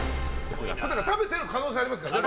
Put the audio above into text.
食べてる可能性ありますからね。